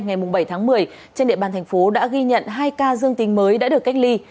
ngày bảy tháng một mươi trên địa bàn thành phố đã ghi nhận hai ca dương tính mới đã được cách ly